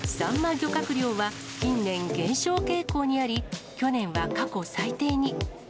漁獲量は、近年、減少傾向にあり、去年は過去最低に。